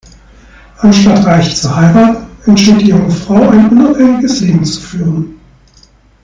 Anstatt reich zu heiraten, entschied die junge Frau, ein unabhängiges Leben zu führen.